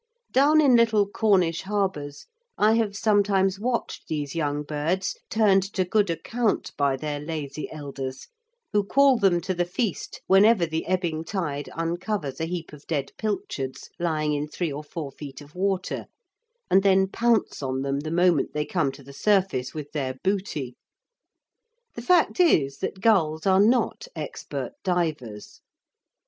Down in little Cornish harbours I have sometimes watched these young birds turned to good account by their lazy elders, who call them to the feast whenever the ebbing tide uncovers a heap of dead pilchards lying in three or four feet of water, and then pounce on them the moment they come to the surface with their booty. The fact is that gulls are not expert divers.